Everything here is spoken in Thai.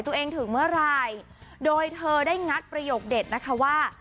ถึงเมื่อไหร่โดยเธอได้งัดประโยคเด็ดนะคะว่า